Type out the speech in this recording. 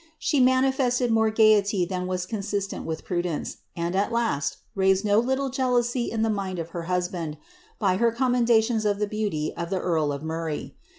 She manifested more gaiety than was consistent with Cdence, and, at last, raised no little jealousy in the mind of her hus d, by her commendations of the beauty of the earl of Murray.